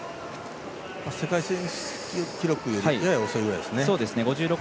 世界記録よりやや遅いくらいですね。